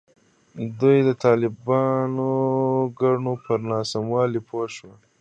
دوی د طالبانو کړنو پر ناسموالي پوه شوي.